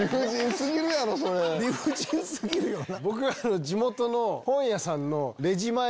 理不尽過ぎるよな。